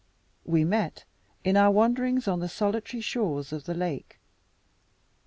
We met in our wanderings on the solitary shores of the lake.